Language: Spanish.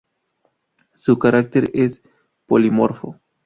Su carácter es polimorfo.